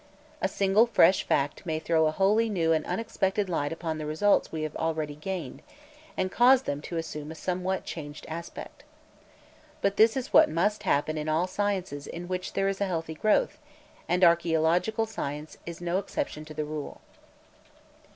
A single fresh fact may throw a wholly new and unexpected light upon the results we have already gained, and cause them to assume a somewhat changed aspect. But this is what must happen in all sciences in which there is a healthy growth, and archaeological science is no exception to the rule.